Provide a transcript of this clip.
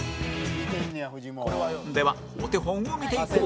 ではお手本を見ていこう